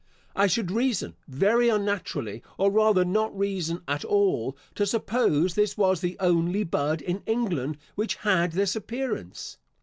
I should reason very unnaturally, or rather not reason at all, to suppose this was the only bud in England which had this appearance.